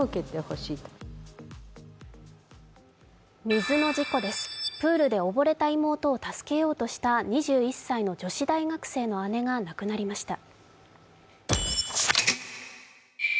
水の事故です、プールで溺れた妹を助けようとした２１歳の女子大学生の姉が亡くなりました。